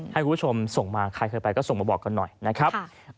ให้คุณผู้ชมส่งมาใครเคยไปก็ส่งมาบอกกันหน่อยนะครับ